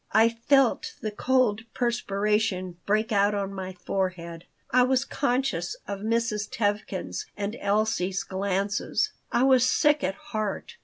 I felt the cold perspiration break out on my forehead. I was conscious of Mrs. Tevkin's and Elsie's glances. I was sick at heart.